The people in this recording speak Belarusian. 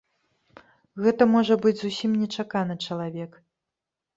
Гэта можа быць зусім нечаканы чалавек.